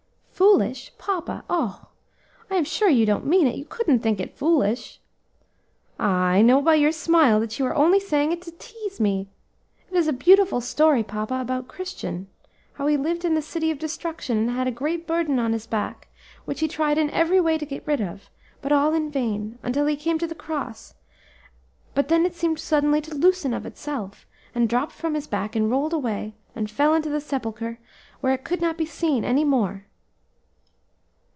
"Foolish! papa; oh! I am sure you don't mean it; you couldn't think it foolish. Ah! I know by your smile that you are only saying it to tease me. It is a beautiful story, papa, about Christian: how he lived in the City of Destruction, and had a great burden on his back, which he tried in every way to get rid of, but all in vain, until he came to the Cross; but then it seemed suddenly to loosen of itself, and dropped from his back, and rolled away, and fell into the sepulchre, where it could not be seen any more."